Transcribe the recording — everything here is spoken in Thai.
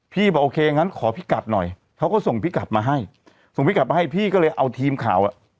บอกโอเคงั้นขอพี่กลับหน่อยเขาก็ส่งพี่กลับมาให้ส่งพี่กลับมาให้พี่ก็เลยเอาทีมข่าวอ่ะ